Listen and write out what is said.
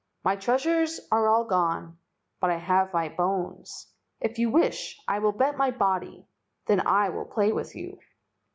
My treasures are all gone, but I have my bones. If you wish, I will bet my body, then I will play with you."